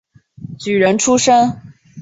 举人出身。